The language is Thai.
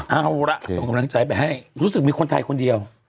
เอาละส่งกำลังใจไปให้รู้สึกมีคนไทยคนเดียว